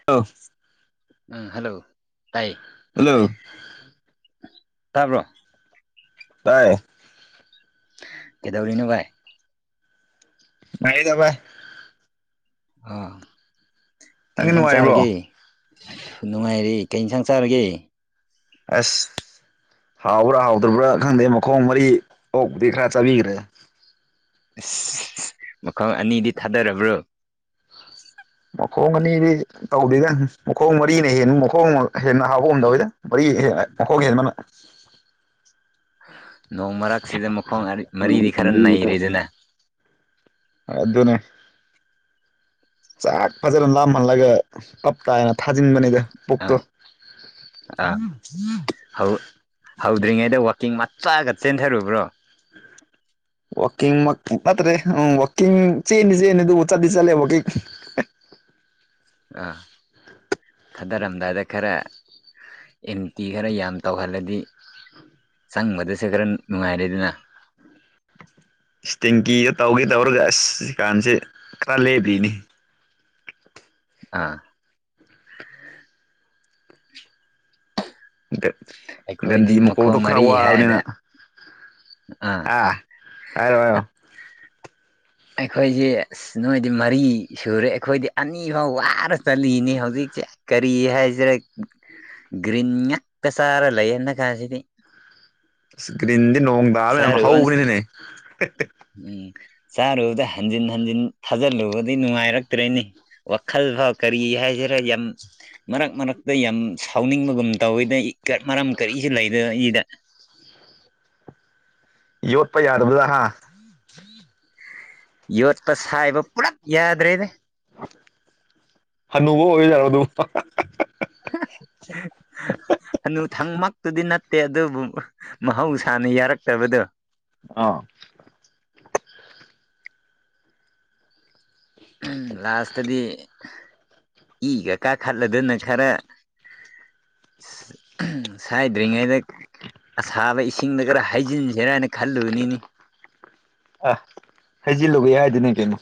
[unintelligible] ꯑ ꯍꯜꯂꯣ ꯇꯥꯏꯌꯦ ꯍꯜꯂꯣ ꯇꯥꯕ꯭ꯔꯣ ꯇꯥꯏꯌꯦ ꯀꯦꯗꯧꯔꯤꯅꯣ ꯚꯥꯏ ꯅꯨꯡꯉꯥꯏꯔꯤꯗ ꯚꯥꯏ ꯑꯥ ꯀꯩ ꯅꯪꯗꯤ ꯏꯟꯁꯥꯡ ꯅꯨꯡꯉꯥꯏꯔꯤꯕ꯭ꯔꯣ ꯆꯥꯔꯒꯦ ꯅꯨꯡꯉꯥꯏꯔꯤ ꯀꯩ ꯏꯟꯁꯥꯡ ꯆꯥꯔꯒꯦ ꯑꯁ ꯍꯥꯎꯕ꯭ꯔꯥ ꯍꯥꯎꯗ꯭ꯔꯕ꯭ꯔꯥ ꯈꯪꯗꯦ ꯃꯈꯣꯡ ꯃꯔꯤ ꯑꯣꯛꯗꯤ ꯈꯔ ꯆꯥꯕꯤꯈ꯭ꯔꯦ ꯑꯁ ꯃꯈꯣꯡ ꯑꯅꯤꯗꯤ ꯊꯥꯗꯔꯕ꯭ꯔꯣ ꯃꯈꯣꯡ ꯑꯅꯤꯗꯤ ꯇꯧꯗꯦꯗ ꯃꯈꯣꯡ ꯃꯔꯤꯅ ꯍꯦꯟꯂꯤ ꯃꯈꯣꯡ ꯍꯦꯟꯅ ꯍꯥꯎꯕꯒꯨꯝ ꯇꯧꯏꯗ ꯃꯔꯤ ꯍꯦꯟꯅ ꯃꯈꯣꯡ ꯑꯥ ꯍꯦꯟꯕꯅ ꯅꯣꯡ ꯃꯔꯛꯁꯤꯗ ꯃꯈꯣꯡ ꯃꯔꯤꯗꯤ ꯈꯔ ꯅꯩꯔꯦꯗꯅ ꯑ ꯑꯗꯨꯅꯦ ꯆꯥꯛ ꯐꯖꯅ ꯂꯥꯝꯍꯜꯂꯒ ꯇꯞ ꯇꯥꯏꯅ ꯊꯥꯖꯤꯟꯕꯅꯤꯗ ꯄꯨꯛꯇꯣ ꯑꯥ ꯑꯥ ꯍꯧ ꯍꯧꯗ꯭ꯔꯤꯉꯩꯗ ꯋꯥꯛꯀꯤꯡ ꯃꯆꯥꯒ ꯆꯦꯟꯊꯔꯨꯕ꯭ꯔꯣ [unintelligible] ꯋꯥꯀꯤꯡ ꯃꯛ ꯅꯠꯇꯥꯔꯦ ꯎꯝ ꯋꯥꯀꯤꯡ ꯆꯦꯟꯗꯤꯆꯦꯟꯂꯦ ꯑꯗꯨꯕꯨ ꯆꯠꯇꯤ ꯆꯠꯂꯦ ꯋꯥꯀꯤꯡ ꯑꯥ ꯊꯥꯗꯔꯝꯗꯥꯏꯗ ꯈꯔꯥ ꯑꯦꯝꯇꯤ ꯈꯔ ꯌꯥꯝ ꯇꯧꯍꯜꯂꯗꯤ ꯆꯪꯕꯗꯁꯨ ꯈꯔ ꯅꯨꯡꯉꯥꯏꯔꯦꯗꯅ ꯏꯁ ꯇꯦꯡꯀꯤꯒ ꯇꯧꯒꯦ ꯇꯧꯔꯒ ꯑꯁ ꯖꯤꯀꯥꯟꯁꯦ ꯈꯔ ꯂꯦꯞꯄꯤ ꯑꯥ ꯑꯩꯈꯣꯏꯗꯤ ꯗꯟꯗꯤ ꯃꯀꯣꯛꯇꯣ ꯃꯈꯣꯡ ꯈꯔ ꯃꯔꯤ ꯍꯥꯏꯅ ꯋꯥꯕꯅꯤꯅ ꯑꯥ ꯑꯥ ꯍꯥꯏꯔꯣ ꯍꯥꯏꯔꯣ ꯑꯩꯈꯣꯏꯖꯦ ꯑꯁ ꯅꯣꯏꯗꯤ ꯃꯔꯤ ꯁꯨꯔꯦ ꯑꯩꯈꯣꯏꯗꯤ ꯑꯅꯤ ꯐꯥꯎ ꯋꯥꯔ ꯆꯠꯂꯤꯅꯤ ꯍꯧꯖꯤꯛ ꯀꯔꯤ ꯍꯥꯏꯁꯤꯔꯦ ꯒ꯭ꯔꯤꯟ ꯉꯥꯛꯛꯇ ꯆꯥꯔꯥ ꯂꯩꯌꯦꯅ ꯍꯟꯗꯛ ꯊꯥꯁꯤꯗꯤ ꯒꯔꯤꯟꯗꯤ ꯅꯣꯡꯇꯥꯕ ꯌꯥꯝ ꯍꯧꯕꯥꯅꯤꯅꯦ ꯎꯝ ꯆꯥꯔꯨꯕꯗ ꯍꯟꯖꯤꯟ ꯍꯟꯖꯤꯟ ꯊꯥꯖꯤꯜꯂꯨꯕꯗꯤ ꯅꯨꯡꯉꯥꯏꯔꯛꯇ꯭ꯔꯦꯅꯦ ꯋꯥꯈꯜ ꯐꯥꯎ ꯀꯔꯤ ꯍꯥꯏꯁꯤꯔꯥ ꯌꯥꯝ ꯃꯔꯛ ꯃꯔꯛꯇꯥ ꯌꯥꯝ ꯁꯥꯎꯅꯤꯡꯕꯒꯨꯝ ꯇꯧꯋꯤꯗ ꯃꯔꯝ ꯀꯔꯤꯁꯨ ꯂꯩꯇꯥꯕꯤꯗꯥ ꯌꯣꯠꯄ ꯌꯥꯗꯥꯕꯗꯨꯗꯥ ꯍꯥꯥ ꯌꯣꯠꯄ ꯁꯥꯏꯕ ꯄꯨꯂꯞ ꯌꯥꯗ꯭ꯔꯦꯅꯦ ꯍꯅꯨꯕꯨ ꯑꯣꯏꯔꯥ ꯖꯥꯠꯂꯣ ꯑꯗꯨ ꯑꯅꯨ ꯊꯪꯃꯛꯇꯨꯗꯤ ꯅꯠꯇꯦ ꯑꯗꯨꯕꯨ ꯃꯍꯧꯁꯥꯅ ꯌꯥꯔꯛꯇꯕꯗꯣ ꯑꯥꯎ ꯂꯥꯁꯇꯗꯤ ꯏꯒꯥ ꯀꯥꯈꯠꯂꯥꯗꯅꯥ ꯈꯔꯥ ꯁꯥꯏꯗ꯭ꯔꯤꯉꯩ ꯑꯁꯥꯕ ꯏꯁꯤꯡꯗ ꯈꯔꯥ ꯍꯥꯏꯖꯤꯟꯁꯤꯔ ꯍꯥꯏꯅ ꯈꯜꯂꯨꯕꯅꯤ ꯑꯥ ꯍꯩꯖꯤꯜꯂꯨꯒꯦ ꯍꯥꯏꯗꯅ ꯀꯩꯅꯣ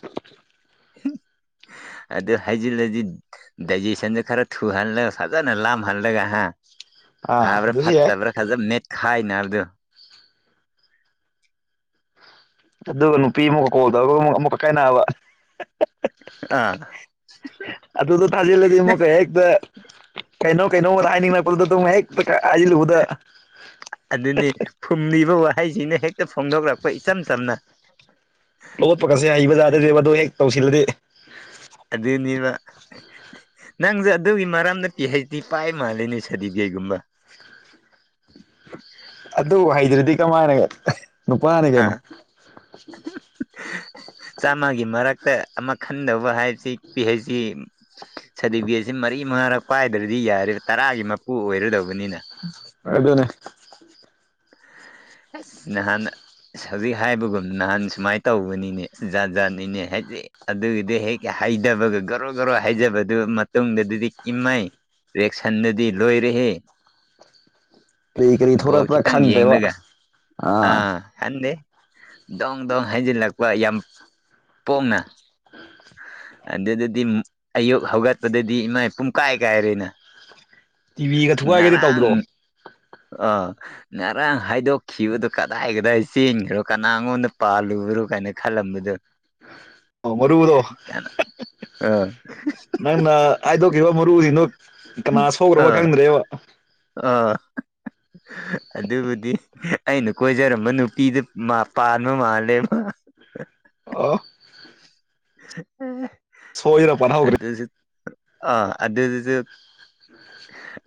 [unintelligible] ꯑꯗꯨ ꯍꯥꯏꯖꯤꯟꯂꯥꯖꯤ ꯗꯥꯏꯖꯦꯁꯟꯗꯨ ꯈꯔ ꯊꯨꯍꯜꯂꯒ ꯐꯖꯥꯅ ꯂꯥꯝ ꯍꯜꯂꯒꯥ ꯍꯥ ꯑꯥ ꯐꯥꯕ꯭ꯔ ꯑꯗꯨꯁꯨ ꯌꯥꯏ ꯐꯠꯇꯕ꯭ꯔꯥ ꯈꯖꯥ ꯃꯦꯠꯈꯥꯏꯅꯥꯕꯗꯨ ꯑꯗꯨꯒ ꯅꯨꯄꯤ ꯑꯃꯨꯛꯀꯥ ꯀꯣꯜ ꯇꯧꯔꯒꯥ ꯑꯃꯨꯛꯀꯥ ꯀꯥꯏꯅꯥꯕ ꯑꯥ ꯑꯗꯨꯗꯣ ꯊꯥꯖꯤꯜꯂꯗꯤ ꯑꯃꯨꯛꯀꯥ ꯍꯦꯛꯇꯥ ꯀꯩꯩꯅꯣ ꯀꯩꯩꯅꯣ ꯍꯦꯛꯇꯥ ꯍꯥꯏꯖꯤꯟ ꯂꯨꯕꯥꯗꯥ ꯑꯗꯨꯅꯤ ꯐꯨꯝꯂꯤꯕ ꯋꯥꯍꯩꯁꯤꯅ ꯍꯦꯛꯇ ꯐꯣꯡꯗꯣꯛꯂꯛꯄ ꯏꯆꯝ ꯆꯝꯅꯥ ꯂꯣꯠꯄꯒꯥꯁꯦ ꯍꯩꯕꯖꯥꯠ ꯃꯗꯨ ꯍꯦꯛ ꯇꯧꯁꯤꯜꯂꯗꯤ ꯑꯗꯨꯅꯤꯕꯥ ꯅꯪꯁꯨ ꯑꯗꯨꯒꯤ ꯃꯔꯝꯗ ꯄꯤ ꯍꯩꯆ ꯗꯤ ꯄꯥꯏ ꯃꯥꯜꯂꯦꯅꯦ ꯁꯥꯗꯤꯐꯤꯒꯦꯠꯒꯨꯝꯕ ꯑꯗꯨ ꯍꯩꯗ꯭ꯔꯗꯤ ꯀꯃꯥꯏꯅꯒꯥ ꯍꯥꯥ [unintelligible] ꯆꯥꯝꯃꯒꯤ ꯃꯔꯛꯇ ꯑꯃ ꯈꯟꯗꯧꯕ ꯍꯥꯏꯕꯁꯤ ꯄꯤꯍꯩꯁꯗꯤ ꯁꯥꯔꯇꯤꯐꯤꯀꯦꯠꯁꯤ ꯃꯔꯤ ꯃꯉꯥꯔꯛ ꯄꯥꯏꯗ꯭ꯔꯗꯤ ꯌꯥꯔ ꯇꯔꯥꯒꯤ ꯃꯄꯨ ꯑꯣꯏꯔꯗꯧꯕꯅꯤꯅ ꯑꯗꯨꯅꯦ ꯅꯍꯥꯟ ꯑꯁ ꯍꯧꯖꯤꯛ ꯍꯥꯏꯕꯒꯨꯝ ꯅꯍꯥꯟ ꯁꯨꯃꯥꯏꯅ ꯇꯧꯕꯅꯤꯅꯦ ꯖꯥꯠ ꯖꯥꯠꯅꯤꯅꯦ ꯍꯥꯏꯗꯤ ꯑꯗꯨꯒꯤꯗꯤ ꯍꯦꯛ ꯍꯩꯗꯥꯕꯒꯥ ꯒꯣꯔꯣ ꯒꯣꯔꯣ ꯍꯥꯏꯖꯕꯗꯨ ꯃꯇꯨꯡꯗꯥꯗꯨꯗꯤ ꯏꯃꯥꯏ ꯔꯦꯛꯁꯟꯗꯨꯗꯤ ꯂꯣꯏꯔꯦꯍꯦ ꯀꯔꯤ ꯀꯔꯤ ꯕꯣꯜ ꯊꯣꯛꯂꯛꯄ꯭ꯔꯥ ꯈꯤꯇꯪ ꯈꯪꯗ꯭ꯔꯦꯕ ꯌꯦꯡꯔꯥꯒ ꯑꯥ ꯈꯟꯗꯦ ꯗꯣꯡ ꯗꯣꯡ ꯍꯩꯖꯤꯜꯂꯛꯄ ꯌꯥꯝ ꯄꯣꯡꯅ [unintelligible] ꯑꯗꯨꯗꯥꯗꯤ ꯑꯌꯨꯛ ꯍꯧꯒꯠꯄꯥꯗꯗꯤ ꯏꯃꯥꯏ ꯄꯨꯡꯀꯥꯏ ꯀꯥꯏꯔꯦꯅ ꯇꯤꯚꯤꯒ ꯊꯨꯒꯥꯏꯒꯦꯗꯤ ꯉꯔꯥꯝ ꯇꯧꯗ꯭ꯔꯣ ꯑꯥ ꯉꯔꯥꯡ ꯍꯥꯏꯗꯣꯛꯈꯤꯕꯗꯨꯣ ꯀꯗꯥꯏ ꯀꯗꯥꯏ ꯆꯦꯟꯈ꯭ꯔꯣ ꯀꯅꯥꯉꯗ ꯄꯥꯜꯂꯨꯔꯨ ꯀꯥꯏꯅ ꯈꯜꯂꯝꯕꯗꯨꯣ ꯑ ꯃꯔꯨꯗꯣ ꯑꯥ ꯅꯪꯅ ꯍꯥꯏꯗꯣꯛꯈꯤꯕ ꯃꯔꯨꯁꯤꯅꯣ ꯀꯅꯥ ꯁꯣꯛꯈ꯭ꯔꯕ ꯈꯪꯗ꯭ꯔꯦꯕ ꯑ ꯑꯗꯨꯕꯨꯗꯤ ꯑꯩꯅ ꯀꯣꯏꯖꯔꯝꯕ ꯅꯨꯄꯤꯗ ꯄꯥꯟꯕ ꯃꯥꯜꯂꯦ ꯃꯥ ꯑ ꯁꯣꯏꯗꯅ ꯄꯥꯟꯍꯧꯈ꯭ꯔꯦ ꯑꯗꯁꯤ ꯑ ꯑꯗꯁꯤ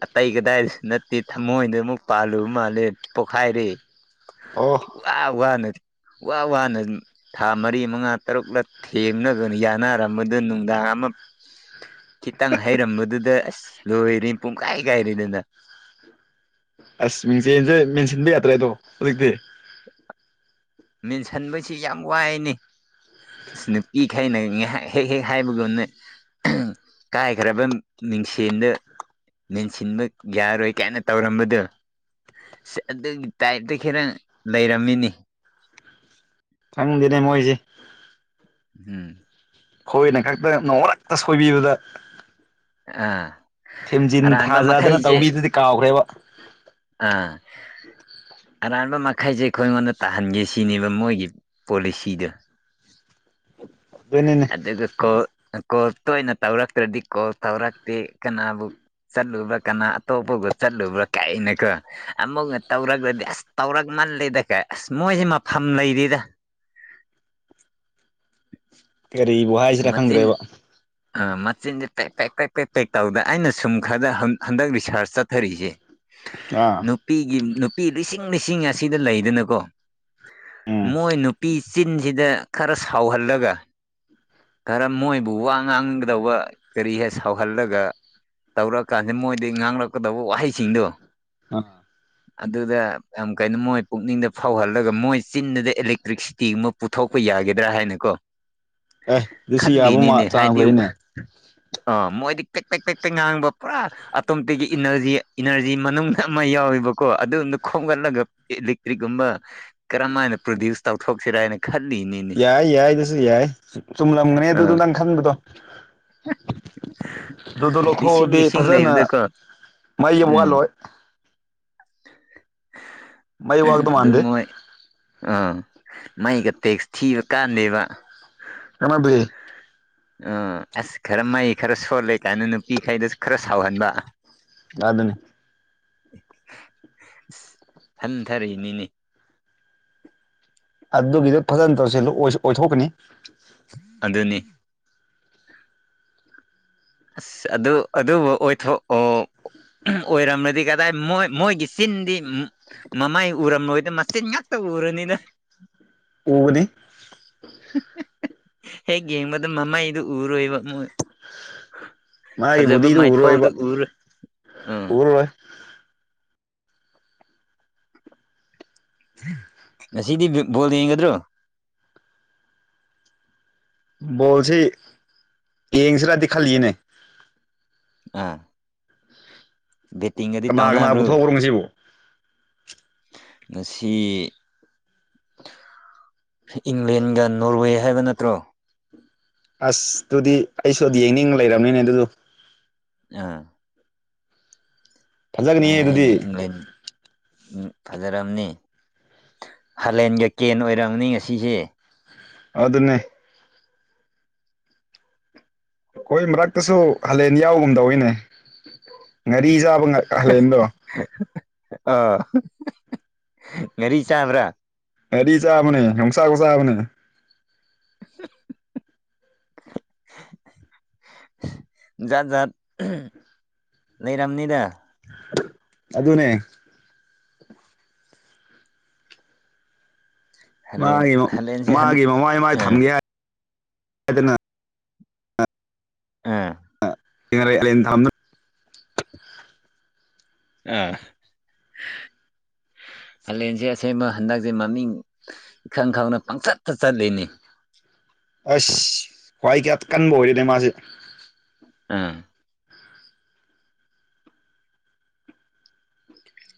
ꯑꯇꯩ ꯀꯗꯥꯏꯗꯁꯨ ꯅꯠꯇꯦ ꯊꯃꯣꯏꯗ ꯑꯃꯨꯛ ꯄꯥꯜꯂꯨꯕ ꯃꯥꯜꯂꯦ ꯄꯣꯛꯈꯥꯏꯔꯦ ꯑꯣꯐ ꯋꯥ ꯋꯥꯅ ꯋꯥ ꯋꯥꯅ ꯊꯥ ꯃꯔꯤ ꯃꯉꯥ ꯇꯔꯨꯛꯂ ꯊꯦꯡꯅꯕꯅ ꯌꯥꯅꯔꯝꯕꯗꯨ ꯅꯨꯡꯗꯥꯡ ꯑꯃ ꯈꯤꯇꯪ ꯍꯩꯔꯝꯕꯗꯨꯗ ꯑꯁ ꯂꯣꯏꯔ ꯄꯨꯡꯈꯥꯏ ꯀꯥꯏꯔꯤꯗꯅ ꯑꯁ ꯃꯤꯡꯆꯦꯜꯁꯦ ꯃꯦꯟꯁꯤꯟꯕ ꯌꯥꯗ꯭ꯔꯦ ꯑꯗꯣ ꯍꯧꯖꯤꯛꯇꯤ [inaudible] [inaudible] ꯃꯦꯟꯁꯤꯟꯕꯁꯤ ꯌꯥꯝ ꯋꯥꯏꯅꯤ ꯅꯨꯄꯤ ꯈꯩꯅ ꯉꯥꯏꯍꯥꯛ ꯍꯦꯛ ꯍꯦꯛ ꯍꯥꯏꯕꯒꯨꯝꯅ ꯀꯥꯏꯈ꯭ꯔꯕ ꯃꯤꯡꯁꯦꯟꯗ ꯃꯦꯟꯁꯤꯟꯕ ꯌꯥꯔꯣꯏ ꯀꯥꯏꯅ ꯇꯧꯔꯝꯕꯗꯨꯣ ꯑꯗꯨꯒꯤ ꯇꯥꯏꯞꯇ ꯈꯤꯇꯪ ꯂꯩꯔꯝꯃꯤꯅꯤ ꯈꯪꯗꯦꯅꯦ ꯃꯣꯏꯁꯦ ꯎꯝ ꯑꯩꯈꯣꯏꯅ ꯈꯛꯇ ꯅꯣꯡꯔꯛꯇ ꯁꯣꯏꯕꯤꯕꯗ ꯑ ꯊꯦꯝꯖꯤꯟ ꯊꯥꯖꯗꯅ ꯇꯧꯕꯤꯗꯨꯗꯤ ꯀꯥꯎꯈ꯭ꯔꯦꯕ ꯑꯥ ꯑꯔꯥꯟꯕ ꯃꯈꯩꯁꯦ ꯑꯩꯈꯣꯏꯉꯣꯟꯗ ꯇꯥꯍꯟꯒꯦ ꯁꯤꯅꯦꯕ ꯃꯣꯏꯒꯤ ꯄꯣꯂꯤꯁꯤꯗꯣ [inaudible] ꯑꯗꯨꯒ ꯀꯣꯜ ꯀꯣꯜ ꯇꯣꯏꯅ ꯇꯧꯔꯛꯇ꯭ꯔꯗꯤ ꯀꯣꯜ ꯇꯧꯔꯛꯇꯦ ꯀꯅꯥꯕꯨ ꯆꯠꯂꯨꯕ꯭ꯔꯥ ꯀꯅꯥ ꯑꯇꯣꯞꯄꯒ ꯆꯠꯂꯨꯕ꯭ꯔꯥ ꯀꯥꯏꯅꯀꯣ ꯑꯃꯨꯛꯅ ꯇꯧꯔꯒ꯭ꯔꯗꯤ ꯑꯁ ꯇꯧꯔꯛ ꯃꯜꯂꯦꯗ ꯀꯥꯏ ꯑꯁ ꯃꯣꯏꯁꯦ ꯃꯐꯝ ꯂꯩꯔꯤꯗ ꯀꯔꯤꯕꯨ ꯍꯥꯏꯁꯤꯔ ꯈꯪꯗ꯭ꯔꯦꯕ ꯑꯥ ꯃꯆꯤꯟꯁꯦ ꯄꯦꯛ ꯄꯦꯛ ꯄꯦꯛ ꯄꯦꯛ ꯄꯦꯛ ꯇꯧꯗ ꯑꯩꯅ ꯁꯨꯝ ꯈꯔꯗ ꯍꯟꯗꯛ ꯔꯤꯁꯥꯔꯖ ꯆꯠꯊꯔꯤꯁꯦ ꯑꯥ ꯅꯨꯄꯤꯒꯤ ꯅꯨꯄꯤ ꯂꯤꯁꯤꯡ ꯂꯤꯁꯤꯡ ꯑꯁꯤꯗ ꯂꯩꯗꯅꯀꯣ ꯎꯝ ꯃꯣꯏ ꯅꯨ ꯄꯤ ꯆꯤꯟꯁꯤꯗ ꯈꯔ ꯁꯥꯎꯍꯜꯂꯒ ꯈꯔ ꯃꯣꯏꯕꯨ ꯋꯥ ꯉꯥꯡꯒꯗꯧꯕ ꯀꯔꯤ ꯍꯦꯛ ꯁꯥꯎꯍꯜꯂꯒ ꯇꯧꯔꯛꯑꯀꯥꯟꯁꯤꯗ ꯃꯣꯏꯗꯤ ꯉꯥꯡꯂꯛꯀꯗꯧꯕ ꯋꯥꯍꯩꯁꯤꯡꯗꯣ ꯑꯥ ꯑꯗꯨꯗ ꯌꯥꯝ ꯀꯥꯏꯅꯣ ꯃꯣꯏ ꯄꯨꯛꯅꯤꯡꯗ ꯐꯥꯎꯍꯜꯂꯒ ꯃꯣꯏ ꯆꯤꯟꯗꯨꯗ ꯏꯂꯦꯛꯇ꯭ꯔꯤꯛꯁꯤꯇꯤꯒꯨꯝꯕ ꯄꯨꯊꯣꯛꯄ ꯌꯥꯒꯗ꯭ꯔꯥ ꯍꯥꯏꯅꯀꯣ ꯑꯦ ꯑꯗꯨꯁꯨ ꯌꯥꯕ ꯈꯜꯂꯤꯅꯤꯅꯦ ꯆꯥꯡꯁ ꯍꯥꯏꯗꯤ ꯂꯩꯅꯦ ꯑ ꯃꯣꯏꯗꯤ ꯄꯤꯛ ꯄꯤꯛ ꯄꯤꯛ ꯄꯤꯛ ꯉꯥꯡꯕ ꯄꯨꯔꯥ ꯑꯇꯣꯝꯇꯒꯤ ꯏꯅꯔꯖꯤ ꯏꯅꯔꯖꯤ ꯃꯅꯨꯡ ꯑꯃ ꯌꯥꯎꯋꯦꯕ ꯀꯣ ꯑꯗꯨ ꯈꯣꯡꯒꯜꯂꯒ ꯂꯤꯛꯇ꯭ꯔꯤꯒꯨꯝꯕ ꯀꯔꯝ ꯍꯥꯏꯅ ꯄ꯭ꯔꯣꯗ꯭ꯌꯨꯁ ꯇꯧꯊꯣꯛꯁꯤꯔꯥ ꯍꯥꯏꯅ ꯈꯜꯂꯤꯅꯤꯅ ꯌꯥꯏ ꯌꯥꯏ ꯑꯗꯨꯁꯨ ꯌꯥꯏ ꯆꯨꯝꯂꯝꯒꯅꯦ ꯑꯗꯨꯗꯣ ꯑꯥ ꯅꯪ ꯈꯟꯕꯗꯣ ꯑꯗꯨꯗꯣ ꯂꯤꯁꯤꯡ ꯂꯧꯊꯣꯛꯑꯗꯤ ꯂꯤꯁꯤꯡ ꯐꯖꯅ ꯂꯩꯕꯗꯀꯣ ꯃꯩꯒꯤ ꯎꯝ ꯋꯥꯠꯂꯣꯏ ꯃꯩ ꯋꯥꯠꯀꯗꯧ ꯑꯗꯨ ꯃꯥꯟꯗꯦ ꯃꯣꯏ ꯑꯥ ꯃꯩꯒ ꯇꯦꯛꯁ ꯊꯤꯕ ꯀꯥꯟꯗꯦꯕ [unintelligible] ꯎ ꯑꯁ ꯈꯔ ꯃꯍꯩ ꯈꯔ ꯁꯣꯜꯂꯦ ꯀꯥꯏꯅ ꯅꯨꯄꯤꯈꯩꯗꯁꯨ ꯈꯔ ꯁꯥꯎꯍꯟꯕ ꯌꯥꯗꯨꯅꯤ ꯍꯟꯊꯔꯛꯏꯅꯤꯅꯦ ꯑꯗꯨꯒꯤꯗꯣ ꯐꯖꯅ ꯇꯧꯁꯤ ꯑꯣꯏꯊꯣꯛꯀꯅꯤ ꯑꯗꯨꯅꯤ ꯑꯁ ꯑꯗꯨ ꯑꯗꯨꯕꯨ ꯑꯣꯏꯊꯣꯛ ꯑꯣ ꯑꯣꯏꯔꯝꯂꯗꯤ ꯀꯗꯥꯏ ꯃꯣꯏ ꯃꯣꯏꯒꯤ ꯆꯤꯟꯗꯤ ꯃꯃꯥꯏ ꯎꯔꯝꯂꯣꯏꯗ ꯃꯆꯤꯟ ꯉꯥꯛꯇ ꯎꯔꯅꯤꯅ ꯎꯕꯅꯤ ꯍꯦꯛ ꯌꯦꯡꯕꯗ ꯃꯃꯩꯗꯨ ꯎꯔꯣꯏꯕ ꯃꯣꯏ ꯐꯖꯕ ꯃꯥꯒꯤꯕꯨꯗꯤꯗꯨ ꯎꯔꯣꯏꯕ ꯃꯥꯏꯊꯣꯡꯗꯨ ꯎꯔꯣꯏ ꯎꯝ ꯎꯔꯔꯣꯏ [inaudible] ꯉꯁꯤꯗꯤ ꯕꯣꯜ ꯌꯦꯡꯒꯗ꯭ꯔꯣ ꯕꯣꯜꯁꯤ ꯌꯦꯡꯁꯤꯔꯗꯤ ꯈꯜꯂꯤꯅꯦ ꯑꯥ ꯕꯦꯇꯤꯡ ꯒꯗꯤ ꯇꯥꯎꯅꯕ꯭ꯔꯣ ꯄꯨꯡꯖꯤꯕꯨ ꯉꯁꯤ ꯏꯪꯂꯦꯟꯒ ꯅꯣꯔꯋꯦ ꯍꯥꯏꯕ ꯅꯠꯇ꯭ꯔꯣ ꯑꯁ ꯑꯗꯨꯗꯤ ꯑꯩꯁꯨ ꯑꯗꯨ ꯌꯦꯡꯅꯤꯡ ꯂꯩꯔꯕꯅꯤꯅꯦ ꯑꯗꯨꯗꯨ ꯑꯥ ꯐꯖꯒꯅꯤꯍꯦ ꯅꯣꯏ ꯍꯥꯏ ꯑꯗꯨꯗꯤ ꯏꯪꯂꯦꯟ ꯎꯝ ꯐꯖꯔꯝꯅꯤ ꯍꯥꯂꯦꯟꯒ ꯀꯦꯟ ꯑꯣꯏꯔꯃꯅꯤ ꯉꯁꯤꯁꯦ ꯑꯗꯨꯅꯦ ꯑꯩꯈꯣꯏ ꯃꯔꯛꯇꯁꯨ ꯍꯥꯂꯦꯟ ꯌꯥꯎꯒꯨꯝ ꯇꯧꯋꯤꯅꯦ ꯉꯥꯔꯤ ꯆꯥꯕ ꯍꯥꯂꯦꯟꯗꯣ ꯑꯥ ꯉꯔꯤ ꯆꯥꯕ꯭ꯔꯥ ꯉꯥꯔꯤ ꯆꯥꯕꯅꯦ ꯌꯣꯡ ꯆꯥꯛ ꯆꯥꯕꯅꯦ [inaudible] ꯖꯥꯠ ꯖꯥꯠ ꯂꯩꯔꯝꯅꯤꯗ ꯑꯗꯨ ꯑꯗꯨꯅꯦ ꯍꯂꯦꯟ ꯃꯥꯒꯤ ꯍꯂꯦꯟꯁꯦ ꯍꯟ ꯃꯥꯒꯤ ꯃꯃꯥꯏ ꯃꯥꯏ ꯑꯥ ꯊꯝꯒꯦ ꯍꯥꯏ ꯍꯥꯏꯗꯅ ꯑꯥ ꯊ ꯑ ꯍꯂꯦꯟꯁꯦ ꯑꯁꯦꯡꯕ ꯍꯟꯗꯛꯁꯦ ꯃꯃꯤꯡ ꯏꯈꯪ ꯈꯪꯅ ꯄꯪꯆꯠꯇ ꯆꯠꯂꯤꯅꯤ ꯑꯁ ꯈ꯭ꯋꯥꯏ ꯀꯌꯥ ꯀꯟꯕ ꯑꯣꯏꯔꯦꯅꯦ ꯃꯥꯁꯦ ꯑꯥ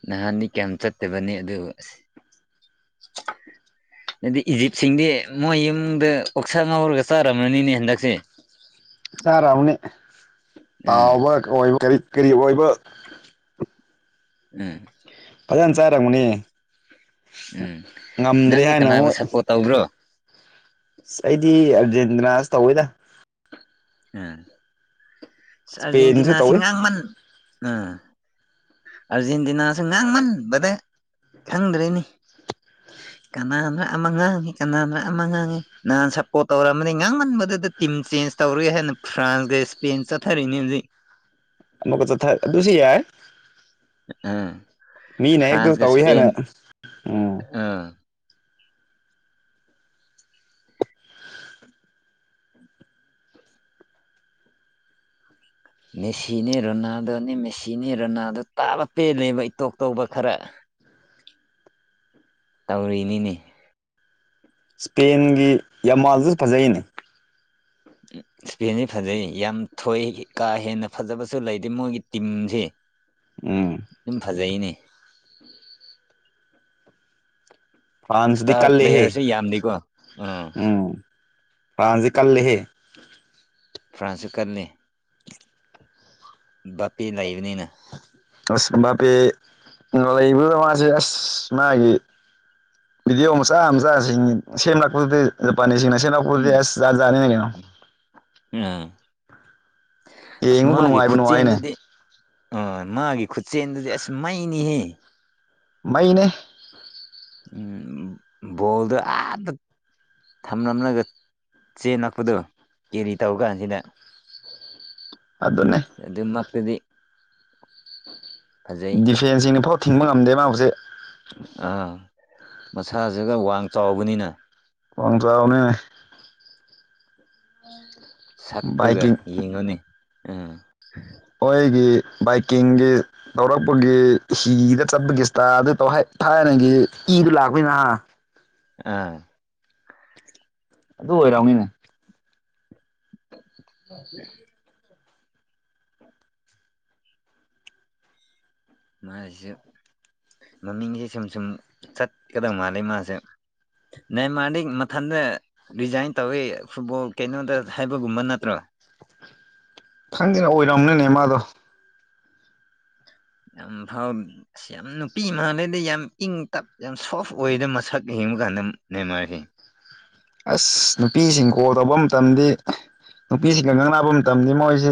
ꯅꯍꯥꯟꯅꯤ ꯀꯌꯥꯝ ꯆꯠꯇꯕꯅꯤ ꯑꯗꯨ ꯑꯁ [unintelligible] ꯑꯗꯨꯗꯤ ꯏꯖꯤꯞꯁꯤꯡꯗꯤ ꯃꯣꯏ ꯌꯨꯝꯗ ꯑꯣꯛꯁꯥ ꯉꯧꯔꯒ ꯆꯥꯔꯝꯂꯅꯤꯅꯦ ꯍꯟꯗꯛꯁꯦ ꯆꯥꯔꯛꯑꯕꯅꯤ ꯎꯝ ꯇꯥꯎꯕ ꯑꯣꯏꯕ ꯀꯔꯤ ꯀꯔꯤ ꯑꯣꯏꯕ ꯎꯝ ꯐꯖꯅ ꯆꯥꯔꯝꯒꯅꯦ ꯎꯝ ꯅꯪꯗꯤ ꯍꯥꯏꯅ ꯀꯅꯥꯕꯨ ꯑꯃꯨꯛ ꯁꯞꯄꯣꯔꯠ ꯇꯧꯕ꯭ꯔꯣ ꯑꯁ ꯑꯩꯗꯤ ꯑꯔꯖꯦꯟꯇꯤꯅꯥꯁ ꯇꯧꯋꯦꯗ ꯎꯝ ꯏꯁꯄꯦꯟꯁꯨ ꯇꯧꯋꯤ ꯑꯔꯖꯦꯟꯇꯤꯅꯥꯁꯤꯡꯉꯥꯡꯃꯟ ꯑꯥ ꯑꯥꯔꯖꯦꯟꯇꯤꯅꯥꯁꯨ ꯉꯥꯡꯃꯟꯕꯗ ꯈꯪꯗ꯭ꯔꯔꯤꯅꯤ ꯀꯅꯥꯅ ꯑꯃ ꯉꯥꯡꯉꯤ ꯀꯅꯥꯅ ꯑꯃ ꯉꯥꯡꯉꯤ ꯅꯍꯥꯟ ꯁꯞꯄꯣꯔꯠ ꯇꯧꯔꯛꯑꯅꯤ ꯉꯥꯡꯃꯟꯕꯗꯨꯗ ꯇꯤꯝ ꯆꯦꯟꯖ ꯇꯧꯔꯣꯏ ꯍꯥꯏꯅ ꯐ꯭ꯔꯥꯟꯁꯒ ꯏꯁꯄꯦꯦꯟ ꯆ ꯊꯔꯔꯤꯅꯤꯖ ꯃꯒ ꯆ ꯊ ꯑꯗꯨꯁꯤ ꯌꯥꯏ ꯎꯥ ꯃꯤꯅ ꯍꯦꯛꯇ ꯐ꯭ꯔꯥꯟꯁꯒ ꯇꯧꯏ ꯍꯥꯏꯅ ꯁꯄꯦꯟ ꯎꯝ ꯑꯥ ꯃꯦꯁꯤꯅꯦ ꯔꯣꯅꯥꯗꯣꯅꯦ ꯃꯦꯁꯤꯅꯦ ꯔꯣꯅꯥꯗꯣ ꯇꯥꯕ ꯄꯦꯜꯂꯦꯕ ꯏꯇꯣꯛ ꯇꯧꯕ ꯈꯔ ꯇꯧꯔꯤꯅꯤꯅꯦ ꯁ꯭ꯄꯦꯟꯒꯤ ꯌꯥꯝꯃꯥꯜꯗꯨꯁꯨ ꯐꯖꯩꯅꯦ ꯏꯁꯄꯤꯦꯟꯁꯤ ꯐꯖꯩ ꯌꯥꯝ ꯊꯣꯏ ꯀꯥ ꯍꯦꯟꯅ ꯐꯖꯕꯁꯨ ꯂꯩꯗꯦ ꯃꯣꯏꯒꯤ ꯇꯤꯝꯁꯤꯦ ꯎꯝ ꯑꯗꯨꯝ ꯐꯖꯩꯅꯦ ꯐ꯭ꯔꯥꯟꯁꯗꯤ ꯏꯁꯇꯥꯔ ꯀꯦꯍ ꯄ꯭ꯂꯦꯌꯔꯁꯦ ꯌꯥꯝꯗꯦꯀꯣ ꯑꯥ ꯎꯝ ꯐ꯭ꯔꯥꯟꯁꯗꯤ ꯀꯂꯦꯍꯦ ꯐ꯭ꯔꯥꯟꯁꯁꯨ ꯀꯜꯂꯤ ꯕꯥꯄꯤꯦ ꯂꯩꯕꯅꯤꯅ ꯑꯁ ꯄꯦ ꯂꯩꯕꯨ ꯃꯥꯁꯦ ꯑꯁ ꯃꯥꯒꯤꯦ ꯚꯤꯗꯤꯑꯣ ꯃꯆꯥ ꯃꯆꯥꯁꯤꯡ ꯁꯦꯝꯂꯛꯄꯗꯨꯗꯤ ꯖꯄꯥꯅꯤꯁꯁꯤꯡꯅ ꯁꯦꯝꯂꯛꯄꯗꯨꯗꯤ ꯎꯝ ꯑꯁꯖꯥꯟ ꯖꯥꯠꯅꯤꯅ ꯀꯩꯅꯣ ꯎꯝ ꯑꯁ ꯌꯦꯡꯕꯕꯨ ꯃꯥꯒꯤ ꯅꯨꯡꯉꯥꯏꯕꯨ ꯅꯨꯡꯉꯥꯏꯅꯦ ꯈꯨꯠꯆꯦꯟꯗꯗꯤ ꯑ ꯃꯥꯒꯤ ꯈꯨꯠꯁꯦꯟꯗꯨꯗꯤ ꯑꯁ ꯃꯩꯅꯤꯍꯦ ꯃꯅꯦ ꯎꯝ ꯣꯜꯗ ꯑ ꯊꯝꯂꯝꯂꯒ ꯆꯦꯟ ꯅꯛꯄꯗꯣ ꯀꯦꯔꯤ ꯇꯧ ꯀꯥꯟꯁꯤꯗ ꯑꯗꯨꯗꯅꯦ ꯑꯗꯨꯃꯛꯇꯗꯤ ꯐꯖꯩ ꯗꯤꯐꯦꯟꯁꯤꯡꯅ ꯐꯥꯎ ꯊꯤꯡꯕ ꯉꯝꯗꯦ ꯃꯥꯕꯨꯁꯦ ꯑꯥ ꯃꯁꯥꯁꯤꯒ ꯋꯥꯡ ꯆꯥꯎꯕꯅꯤꯅ ꯋꯥꯪ ꯆꯅꯦ ꯍꯗꯤ ꯁꯛꯇꯨꯒ ꯌꯦꯡꯉꯨꯅꯤ ꯑꯝ ꯑꯩꯣꯏꯒꯤ ꯕꯥꯏꯛꯀꯤꯡꯒꯤ ꯂꯧꯧꯔꯛꯄꯒꯤ ꯍꯤꯗ ꯆꯠꯄꯒꯤꯁꯤꯇ ꯑꯗꯨ ꯇ ꯊꯥꯏꯅꯒꯤ ꯏꯗꯨ ꯂꯥꯛꯄꯩ ꯅꯍꯥ ꯑ ꯑꯗꯨ ꯑꯣꯏꯔꯛꯎꯅꯤꯅꯦ ꯑꯗꯨ ꯃꯥꯁꯤꯁꯨ ꯃꯃꯤꯡꯁꯦ ꯁꯨꯝ ꯁꯨꯝ ꯆꯠꯀꯗꯧ ꯃꯥꯜꯂꯦ ꯃꯥꯁꯦ ꯅꯏ ꯃꯥꯔꯗꯤ ꯃꯊꯟꯗ ꯔꯤꯖꯥꯏꯟ ꯇꯧꯋꯤ ꯐꯨꯠꯕꯣꯜ ꯀꯩꯅꯣꯗ ꯍꯥꯏꯕꯒꯨꯝꯕ ꯅꯠꯇ꯭ꯔꯣ ꯈꯪꯗꯦꯅ ꯑꯣꯏꯔꯝꯅꯅꯦ ꯃꯥꯗꯣ ꯑꯝꯐꯝ ꯑꯁ ꯌꯥꯝ ꯅꯨꯄꯤ ꯃꯜꯂꯩꯗ ꯌꯥꯝ ꯏꯪ ꯇꯞ ꯌꯥꯝ ꯁꯣꯐ ꯑꯣꯏꯗ ꯃꯁꯛ ꯌꯦꯡꯕ ꯀꯥꯟꯗ ꯅꯦꯝꯃꯔꯁꯤ ꯑꯁ ꯅꯨꯄꯤꯁꯤꯡ ꯀꯣꯜ ꯇꯧꯕ ꯃꯇꯝꯗꯤ ꯅꯨꯄꯤꯁꯤꯡꯒ ꯉꯪꯅꯥꯕ ꯃꯇꯝꯗꯤ ꯃꯣꯏꯁꯤ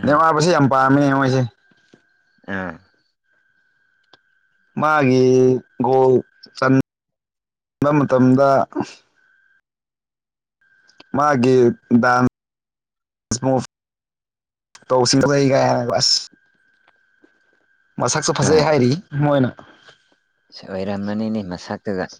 ꯑꯥ ꯅꯦꯃꯥꯕꯨꯁꯦ ꯌꯥꯝ ꯄꯥꯝꯃꯤꯅꯦ ꯃꯣꯏꯁꯦ ꯑ ꯃꯥꯒꯤ ꯒꯣꯜ ꯆꯟꯕ ꯃꯇꯝꯗ ꯃꯥꯒꯤ ꯗꯥꯟꯁ ꯃꯨꯚ ꯇꯧ [unintelligible] ꯑꯁ ꯃꯁꯛꯁꯨ ꯐꯖꯩ ꯍꯥꯏꯔꯤ ꯃꯣꯏꯅ ꯑꯣꯏꯔꯝꯂꯅꯤꯅꯦ ꯃꯁꯛꯇꯨꯒ